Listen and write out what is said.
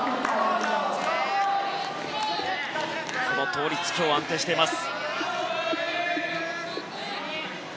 倒立、今日は安定しています。